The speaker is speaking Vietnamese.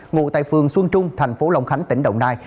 ngụ tại phường xuân trung thành phố long khánh tỉnh đồng nai